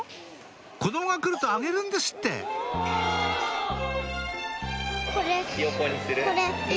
子供が来るとあげるんですってヒヨコにする？